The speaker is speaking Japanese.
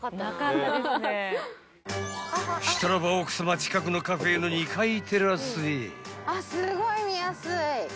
［したらば奥さま近くのカフェの２階テラスへ］